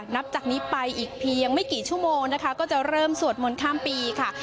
นับจากนี้ไปอีกเพียงไม่กี่ชั่วโมงนะคะก็จะเริ่มสวดมนต์ข้ามปีค่ะ